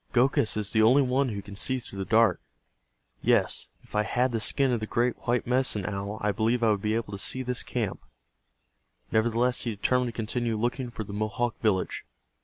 "Gokhus is the only one who can see through the dark. Yes, if I had the skin of the great white Medicine Owl I believe I would be able to see this camp." Nevertheless he determined to continue looking for the Mohawk village.